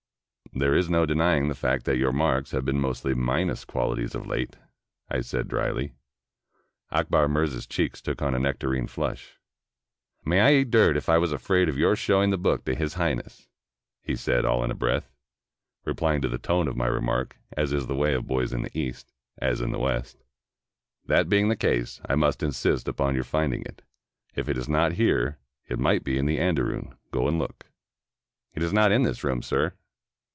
"There is no denying the fact that your marks have been mostly minus qualities of late," I said dryly. Akbar Mirza's cheeks took on a nectarine flush. "May I eat dirt, if I was afraid of your showing the book to His Highness," he said all in a breath, replying to the tone of my remark, as is the way of boys in the East as in the West. "That being the case, I must insist upon your finding it. If it is not here, it might be in the andarun. Go and look." "It is not in this room, sir."